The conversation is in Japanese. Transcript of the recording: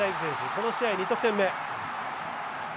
この試合、２得点目。